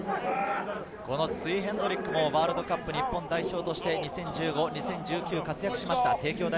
ツイ・ヘンドリックもワールドカップ日本代表として２０１５、２０１９年に活躍しました。